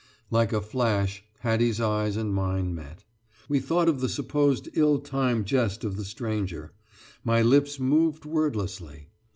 Like a flash Hattie's eyes and mine met. We thought of the supposed ill timed jest of the stranger. My lips moved wordlessly.